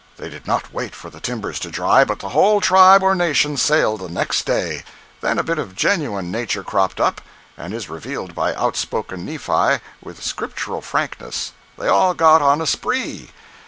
They did not wait for the timbers to dry, but the whole tribe or nation sailed the next day. Then a bit of genuine nature cropped out, and is revealed by outspoken Nephi with Scriptural frankness—they all got on a spree!